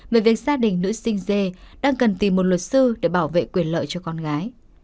về việc gia đình nữ sinh dê đang cần tìm một luật sư để bảo vệ quyền lợi cho con gái